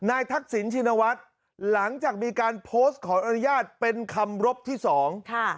ทักษิณชินวัฒน์หลังจากมีการโพสต์ขออนุญาตเป็นคำรบที่สองค่ะ